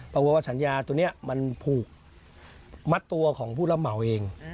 ปรากฏว่าสัญญาตัวนี้มันผูกมัดตัวของผู้รับเหมาเอง